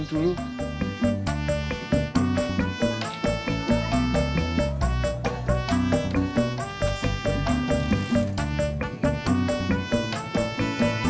nanti takut ga bisa